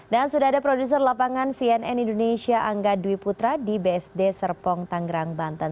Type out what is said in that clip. sudah ada produser lapangan cnn indonesia angga dwi putra di bsd serpong tanggerang banten